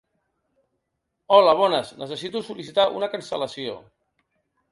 Hola bones, necessito sol·licitar una cancel·lació.